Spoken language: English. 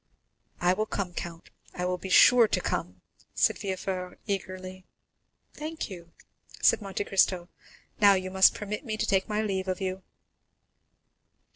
"I will come, count,—I will be sure to come," said Villefort eagerly. "Thank you," said Monte Cristo; "now you must permit me to take my leave of you."